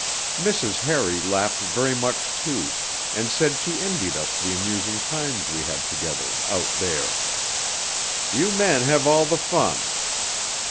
Mrs. Harry laughed very much too, and said she envied us the amusing times we had together 'out there.' 'You men have all the fun.'